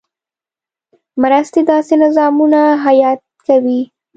مرستې داسې نظامونه حیات کوي.